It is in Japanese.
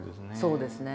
そうですね。